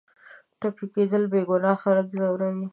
ټپي کېدل بېګناه خلک ځوروي.